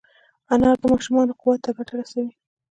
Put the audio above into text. انار د ماشومانو قوت ته ګټه رسوي.